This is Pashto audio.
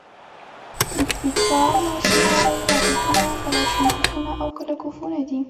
پیکا ماشیندارې، راکېټونه، کلاشینکوفونه او کله کوفونه دي.